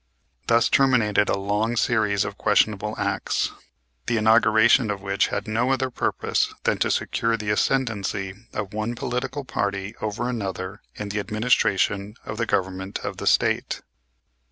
Thus terminated a long series of questionable acts, the inauguration of which had no other purpose than to secure the ascendency of one political party over another in the administration of the government of the State.